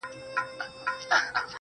o راسه چي زړه ښه درته خالي كـړمـه.